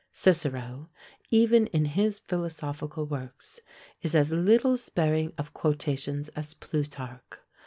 Cicero, even in his philosophical works, is as little sparing of quotations as Plutarch.